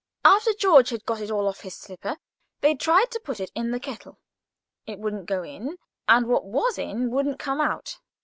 After George had got it off his slipper, they tried to put it in the kettle. It wouldn't go in, and what was in wouldn't come out.